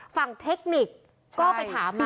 เทคนิคก็ไปถามมา